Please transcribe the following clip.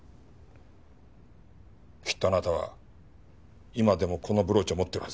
きっとあなたは今でもこのブローチを持ってるはずだ。